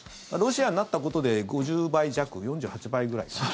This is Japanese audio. ロシアになったことで５０倍弱、４８倍ぐらいに。